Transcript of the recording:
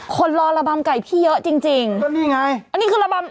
คนรอระบำไก่พี่เยอะจริงจริงก็นี่ไงอันนี้คือระบำ